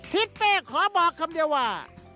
ทิศเป้ขอบอกคำเดียวว่า